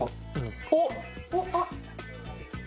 おっ！あっ。